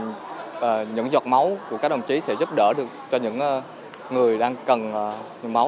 nhằm chia sẻ những giọt máu của các đồng chí sẽ giúp đỡ được cho những người đang cần máu